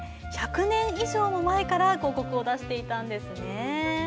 １００年以上も前から広告を出していたんですね。